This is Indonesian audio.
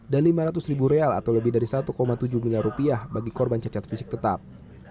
dan rp lima ratus ribu atau lebih dari rp satu tujuh miliar bagi korban cacat fisik tetap